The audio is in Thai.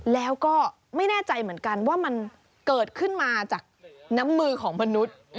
แล้วก็ไม่แน่ใจเหมือนกันว่ามันเกิดขึ้นมาจากน้ำมือของมนุษย์